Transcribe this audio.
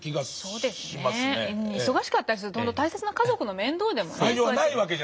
忙しかったりするとほんと大切な家族の面倒でもね。